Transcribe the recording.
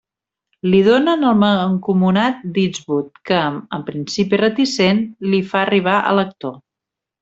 Li donen al mancomunat d'Eastwood que, en principi reticent, li fa arribar a l'actor.